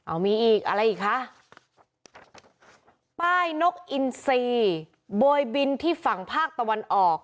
เอามีอีกอะไรอีกคะป้ายนกอินซีโบยบินที่ฝั่งภาคตะวันออก